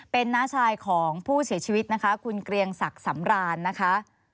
เป็นน้าชายของผู้เสียชีวิตนะคะคุณเกรียงศักดิ์สำรานนะคะ